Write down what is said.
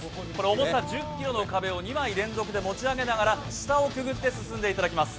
重さ１０ｋｇの壁を２枚持ち上げながら下をくぐって進んでいただきます。